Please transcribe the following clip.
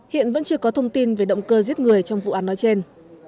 hiện vẫn chưa có thông tin về động cơ giết người trong vụ án nói trên